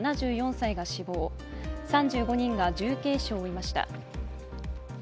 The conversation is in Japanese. ７４歳が死亡３５人が重軽傷を負いました。